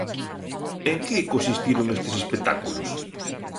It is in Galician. En que consistiron estes espectáculos?